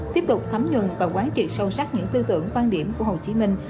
tiếp tục thấm nhuận và quán trị sâu sắc những tư tưởng quan điểm của hồ chí minh